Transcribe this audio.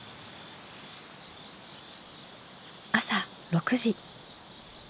朝６時。